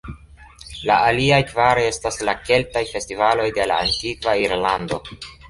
La aliaj kvar estas la "keltaj" festivaloj de la antikva Irlando.